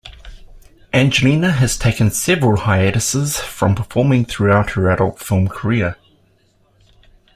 Angelina has taken several hiatuses from performing throughout her adult film career.